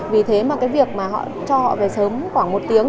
vì thế mà việc cho họ về sớm khoảng một tiếng